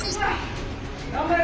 頑張れ！